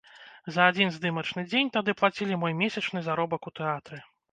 За адзін здымачны дзень тады плацілі мой месячны заробак у тэатры.